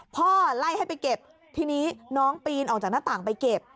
พ่อไล่ให้ไปเก็บทีนี้น้องปีนออกจากหน้าต่างไปเก็บ